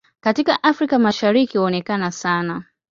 Katika Afrika ya Mashariki huonekana sana.